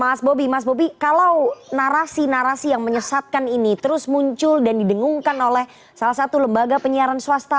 mas bobi mas bobi kalau narasi narasi yang menyesatkan ini terus muncul dan didengungkan oleh salah satu lembaga penyiaran swasta